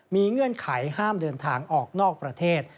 มีเงื่อนไขห้ามเดินทางออกนอกประเทศ